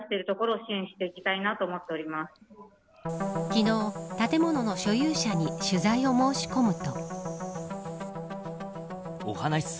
昨日、建物の所有者に取材を申し込むと。